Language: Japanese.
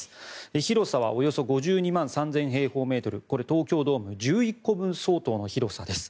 広さはおよそ５２万３０００平方メートルこれ、東京ドーム１１個分相当の広さです。